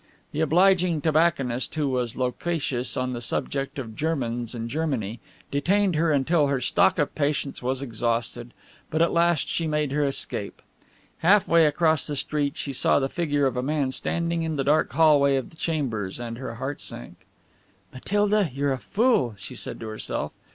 The obliging tobacconist, who was loquacious on the subject of Germans and Germany, detained her until her stock of patience was exhausted; but at last she made her escape. Half way across the street she saw the figure of a man standing in the dark hallway of the chambers, and her heart sank. "Matilda, you're a fool," she said to herself.